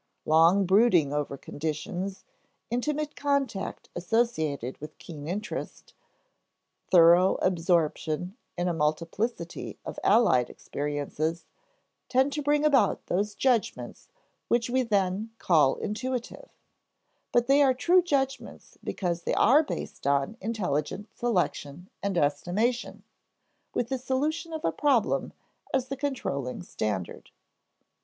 Long brooding over conditions, intimate contact associated with keen interest, thorough absorption in a multiplicity of allied experiences, tend to bring about those judgments which we then call intuitive; but they are true judgments because they are based on intelligent selection and estimation, with the solution of a problem as the controlling standard.